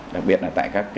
đặc biệt là tại các chợ